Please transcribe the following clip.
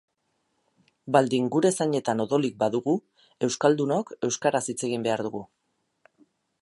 Baldin gure zainetan odolik badugu, euskaldunok euskaraz hitz egin behar dugu.